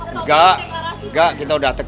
enggak enggak kita sudah tegaskan